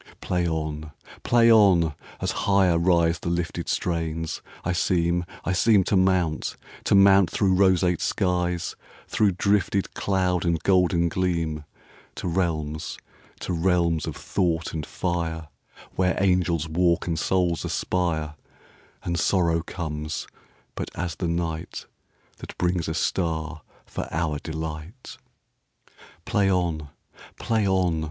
Play on! Play on! As higher riseThe lifted strains, I seem, I seemTo mount, to mount through roseate skies, Through drifted cloud and golden gleam, To realms, to realms of thought and fire, Where angels walk and souls aspire, And sorrow comes but as the nightThat brings a star for our delight. Play on! Play on!